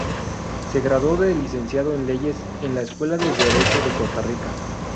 Se graduó de licenciado en Leyes en la Escuela de Derecho de Costa Rica.